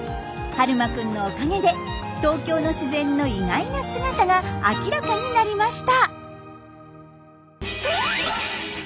悠真くんのおかげで東京の自然の意外な姿が明らかになりました。